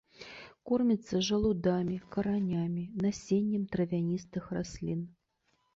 Корміцца жалудамі, каранямі, насеннем травяністых раслін.